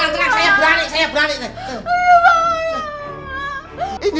tenang tenang saya berani saya berani